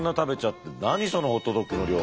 何そのホットドッグの量。